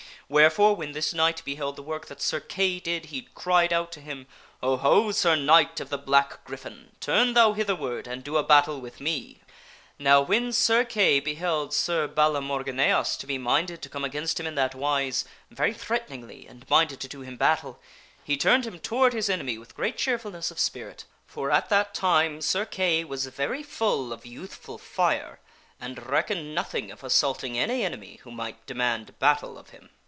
Wherefore when this knight beheld the work that Sir Kay did, he cried out to him, " Ho ! ho! Sir Knight of the black gryphon, turn thou hitherward and do a battle with me !" Now when Sir Kay beheld Sir Balamorgineas to be minded to come against him in that wise very threateningly and minded to do him battle he turned him toward his enemy with great cheerful ,.._, Mr /iay con ness of spirit, tor at that time Sir Kay was very full of tests with sir youthful fire and reckoned nothing of assaulting any enemy alamor g ineas who might demand battle of him.